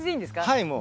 はいもう。